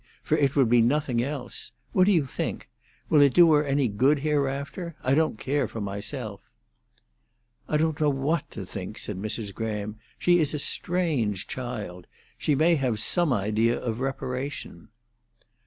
—for it would be nothing else. What do you think? Will it do her any good hereafter? I don't care for myself." "I don't know what to think," said Mrs. Graham. "She is a strange child. She may have some idea of reparation."